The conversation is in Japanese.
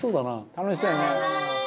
「楽しそうやね」